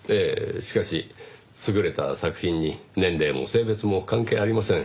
しかし優れた作品に年齢も性別も関係ありません。